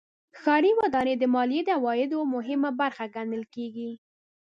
ښاري ودانۍ د مالیې د عوایدو مهمه برخه ګڼل کېږي.